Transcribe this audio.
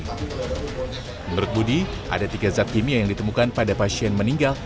menurut budi ada tiga zat kimia yang ditemukan pada pasien meninggal